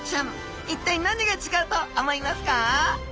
一体何が違うと思いますか？